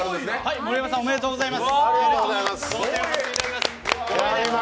盛山さん、おめでとうございます。